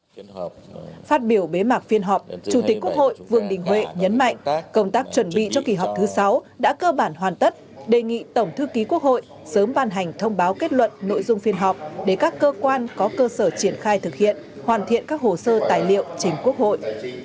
phát biểu bế mạc phiên họp chủ tịch quốc hội vương đình huệ nhấn mạnh công tác chuẩn bị cho kỳ họp thứ sáu đã cơ bản hoàn tất đề nghị tổng thư ký quốc hội sớm ban hành thông báo kết luận nội dung phiên họp để các cơ quan có cơ sở triển khai thực hiện hoàn thiện các hồ sơ tài liệu chính quốc hội